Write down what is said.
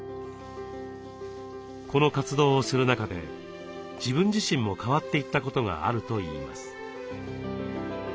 この活動をする中で自分自身も変わっていったことがあるといいます。